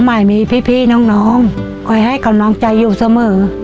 พ่อพ่อไม่มีพี่น้องค่อยให้กับน้องใจอยู่เสมอ